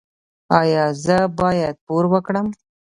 ایا زه باید پور ورکړم؟